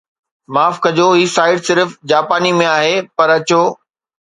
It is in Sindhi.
معاف ڪجو هي سائيٽ صرف جاپاني ۾ آهي پر اچو